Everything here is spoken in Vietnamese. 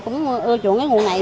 cũng ưa chuộng cái nguồn này